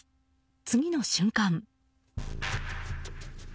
次の瞬間。